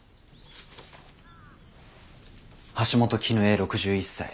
橋本絹江６１歳。